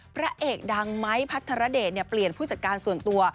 พระเอกดังไม้พัทรเดชเปลี่ยนผู้จัดการส่วนตัว